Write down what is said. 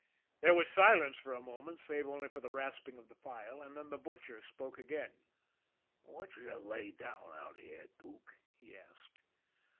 There was silence for a moment, save only for the rasping of the file, and then the Butcher spoke again. "What's yer lay out here, Dook?" he asked.